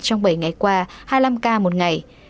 trong bảy ngày qua hai mươi năm ca một ngày